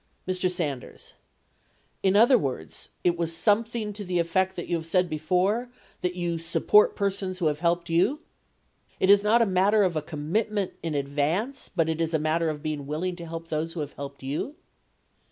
Mr. Sanders. In other words, it was something to the effect that you have said before, that you support persons who have helped you ? It is not a matter of a commitment in advance, but it is a matter of being willing to help those who have helped you?